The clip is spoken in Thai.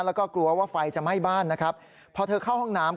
แล้วก็กลัวว่าไฟจะไหม้บ้านนะครับพอเธอเข้าห้องน้ำ